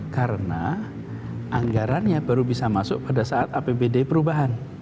karena anggarannya baru bisa masuk pada saat apbd perubahan